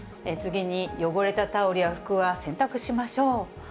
次に、汚れたタオルや服は洗濯しましょう。